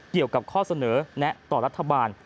เกี่ยวกับข้อเสนอแนะต่อรัฐบาล